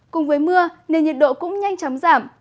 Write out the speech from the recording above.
cùng với mưa nền nhiệt độ cũng nhanh chóng giảm